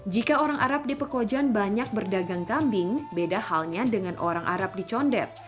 jika orang arab di pekojan banyak berdagang kambing beda halnya dengan orang arab di condet